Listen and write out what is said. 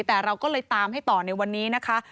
แต่เราก็เลยตามให้ต่อในวันนี้นะคะ